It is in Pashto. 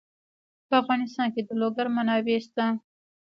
په افغانستان کې د لوگر منابع شته.